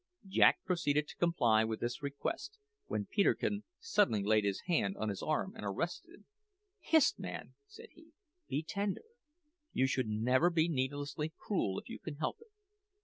Jack proceeded to comply with this request, when Peterkin suddenly laid his hand on his arm and arrested him. "Hist, man!" said he; "be tender! You should never be needlessly cruel if you can help it.